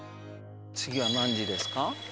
次は何時ですか？